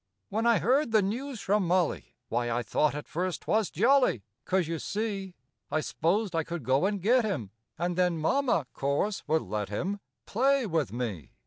When I heard the news from Molly, Why, I thought at first 't was jolly, 'Cause, you see, I s'posed I could go and get him And then Mama, course, would let him Play with me.